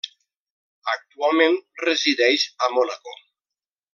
Actualment resideix a Mònaco.